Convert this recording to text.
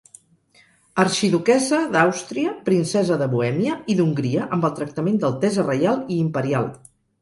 Arxiduquessa d'Àustria, princesa de Bohèmia i d'Hongria amb el tractament d'altesa reial i imperial.